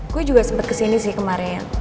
gue juga sempat kesini sih kemarin